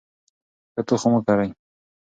ښه تخم وکرئ.